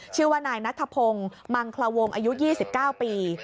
ชื่อว่านายนัทพงศ์มังคลวงอายุ๒๙ปี